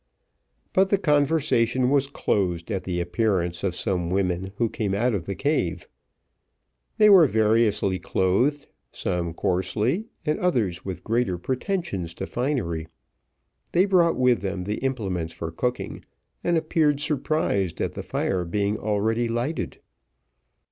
But the conversation was closed at the appearance of some women who came out of the cave. They were variously clothed, some coarsely, and others with greater pretensions to finery: they brought with them the implements for cooking, and appeared surprised at the fire being already lighted.